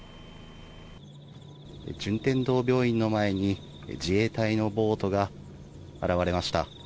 順天堂病院の前に自衛隊のボートが現れました。